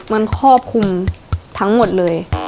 มันครอบคลุมทั้งหมดเลย